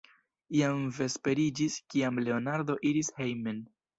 Jam vesperiĝis, kiam Leonardo iris hejmen.